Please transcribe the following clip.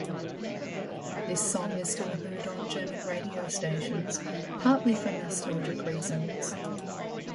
This song is still heard on German radio stations, partly for nostalgic reasons.